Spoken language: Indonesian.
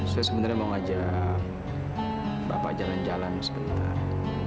saya sebenarnya mau ngajak bapak jalan jalan sebentar